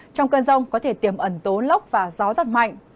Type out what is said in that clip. trong cơn rông có thể tiềm ẩn tố lốc và gió giật mạnh